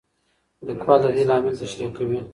لیکوال د دې لامل تشریح کوي.